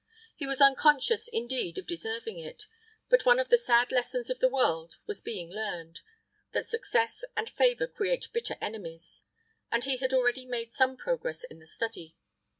He was unconscious, indeed, of deserving it, but one of the sad lessons of the world was being learned: that success and favor create bitter enemies; and he had already made some progress in the study.